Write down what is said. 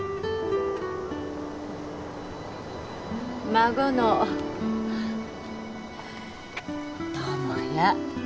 孫の智也。